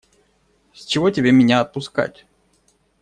С чего тебе меня отпускать?